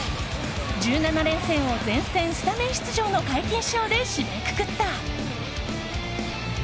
１７連戦を、全戦スタメン出場の皆勤賞で締めくくった。